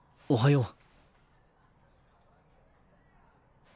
おはよう。